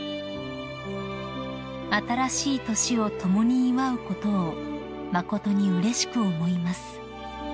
［「新しい年を共に祝うことを誠にうれしく思います」